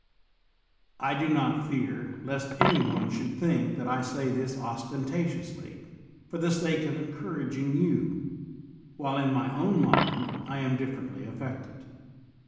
I do not fear lest any one should think that I say this ostentatiously for the sake of encour aging you, while in my own mind I am diflfer ently affected.